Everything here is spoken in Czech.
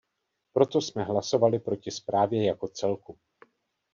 Proto jsme hlasovali proti zprávě jako celku.